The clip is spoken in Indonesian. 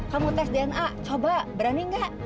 kamu tes dna coba berani nggak